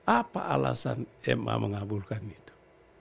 apa alasan ma mengabulkan itu